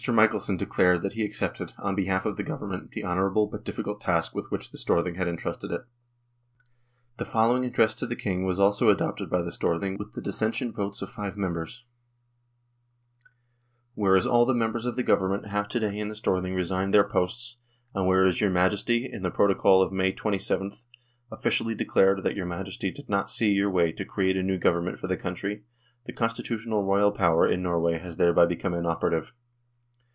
Michelsen declared that he accepted, on behalf of the Government, the honourable but difficult task with which the Storthing had entrusted it. The following Address to the King was also adopted by the Storthing with the dissentient votes of five members :" Whereas all the members of the Government have to day in the Storthing resigned their posts, and whereas your Majesty, in the Protocol of May 27, officially declared that your Majesty did not see your way to create a new Government for the country, the constitutional Royal power in Norway has thereby become inoperative.